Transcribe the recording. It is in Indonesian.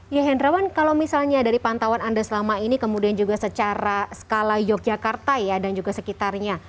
ya hendrawan kalau misalnya dari pantauan anda selama ini kemudian juga secara skala yogyakarta ya dan juga sekitarnya